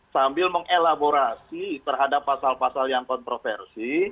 sambil mengelaborasi terhadap pasal pasal yang kontroversi